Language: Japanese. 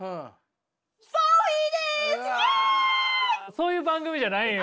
そういう番組じゃないんよ。